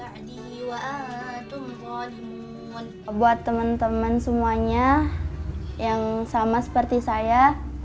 buat teman teman semuanya yang sama seperti saya